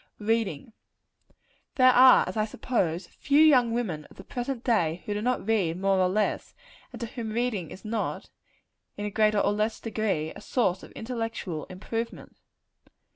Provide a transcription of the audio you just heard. Reading. There are, as I suppose, few young women of the present day, who do not read more or less; and to whom reading is not, in a greater or less degree, a source of intellectual improvement.